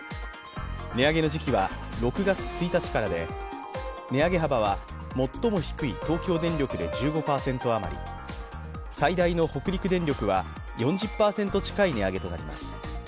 値上げの時期は６月１日からで、値上げ幅は最も低い東京電力で１５％余り、最大の北陸電力は４０％近い値上げとなります。